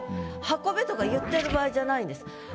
「運べ」とか言ってる場合じゃないんです。